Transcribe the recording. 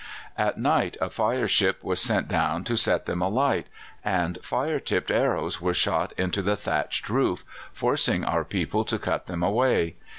At night a fire ship was sent down to set them alight, and fire tipped arrows were shot into the thatched roof, forcing our people to cut them away.